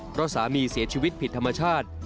เพราะสามีเสียชีวิตผิดธรรมชาติ